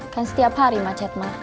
kan setiap hari macet mah